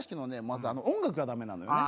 まず音楽がダメなのよね